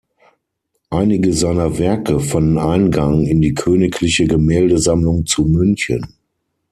Einige seiner Werke fanden Eingang in die königliche Gemäldesammlung zu München.